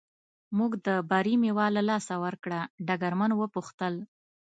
موږ د بري مېوه له لاسه ورکړه، ډګرمن و پوښتل.